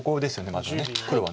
まずは黒は。